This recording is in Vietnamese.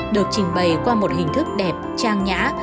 được trình bày qua một hình thức đẹp trang nhã